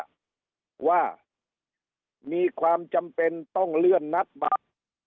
ว่ามีความจำเป็นต้องเลื่อนนัดบัตร